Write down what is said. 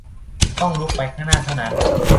ต้องรุกไปข้างหน้าเท่านั้น